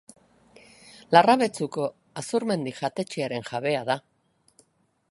Larrabetzuko Azurmendi jatetxearen jabea da.